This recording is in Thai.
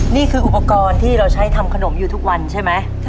นี่คืออุปกรณ์ที่เราใช้ทำขนมอยู่ทุกวันใช่ไหม